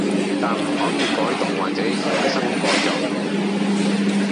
但唔可以改動或者衍生改作